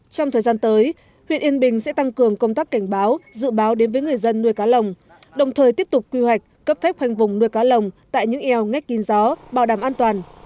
trong thời gian tới huyện yên bình sẽ tăng cường công tác cảnh báo dự báo đến với người dân nuôi cá lồng đồng thời tiếp tục quy hoạch cấp phép khoanh vùng nuôi cá lồng tại những eo ngách kín gió bảo đảm an toàn